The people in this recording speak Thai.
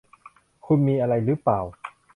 คุณมีอะไรรึเปล่า